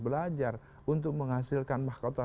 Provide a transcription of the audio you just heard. belajar untuk menghasilkan mahkota